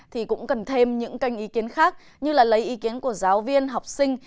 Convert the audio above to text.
thì cũng cần thêm những kênh ý kiến khác như là lấy ý kiến của giáo viên học sinh